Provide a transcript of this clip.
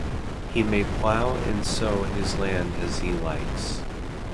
He may plough and sow his land as he likes.